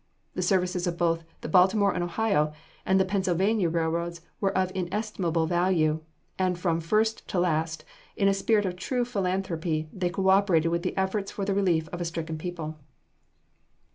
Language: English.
The services of both the Baltimore & Ohio and the Pennsylvania Roads were of inestimable value, and from first to last, in a spirit of true philanthrophy, they co operated with the efforts for the relief of a stricken people.